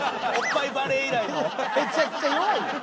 めちゃくちゃ弱いやん。